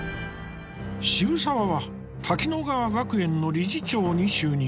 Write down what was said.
渋沢は滝乃川学園の理事長に就任。